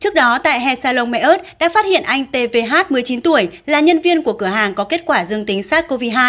trước đó tại hè salon mẹ ớt đã phát hiện anh tvh một mươi chín tuổi là nhân viên của cửa hàng có kết quả dương tính sars cov hai